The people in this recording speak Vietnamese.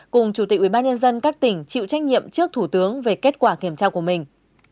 cùng chủ tịch ubnd các tỉnh chịu trách nhiệm trước thủ tướng về kết quả kiểm tra của mình